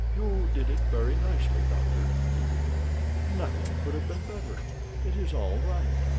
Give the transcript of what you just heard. "You did it very nicely, doctor," he remarked. "Nothing could have been better. It is all right."